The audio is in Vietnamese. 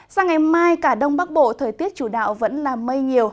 sang ngày mai cả đông bắc bộ thời tiết chủ đạo vẫn là mây nhiều